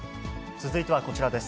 続いてはこちらです。